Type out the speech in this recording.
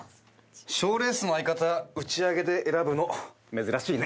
賞レースの相方打ち上げで選ぶの珍しいね。